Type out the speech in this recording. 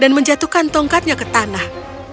dan menjatuhkan tongkatnya ke tanah